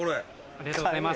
ありがとうございます。